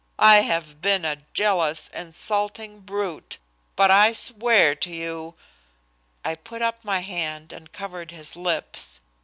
I have been a jealous, insulting brute, but I swear to you " I put up my hand and covered his lips.